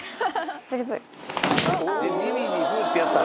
耳にフッてやったら。